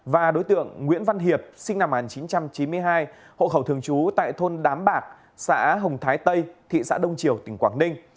và đối tượng nguyễn văn hiệp sinh năm một nghìn chín trăm chín mươi hai hộ khẩu thường trú tại thôn đám bạc xã hồng thái tây thị xã đông triều tỉnh quảng ninh